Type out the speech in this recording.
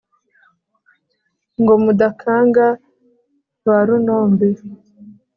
ngo mudakanga ba runombe